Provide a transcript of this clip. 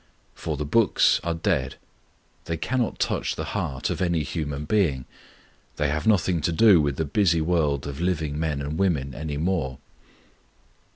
For the books are dead. They cannot touch the heart of any human being; they have nothing to do with the busy world of living men and women any more.